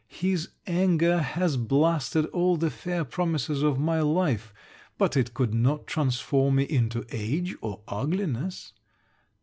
His anger has blasted all the fair promises of my life; but it could not transform me into age or ugliness.